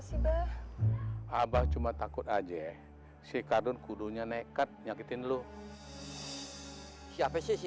sudah abah cuma takut aja si kadun kudunya nekat nyakitin lu siapa sih si